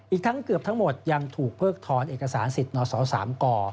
อีกทั้งเกือบทั้งหมดยังถูกเพิกถอนเอกสารสิทธิ์นศ๓ก